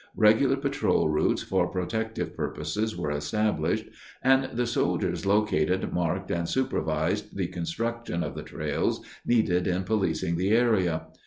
Regular patrol routes for protective purposes were established, and the soldiers located, marked, and supervised the construction of the trails needed in policing the area.